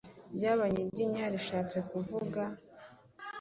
ryAbanyiginya rishatse kuvuga “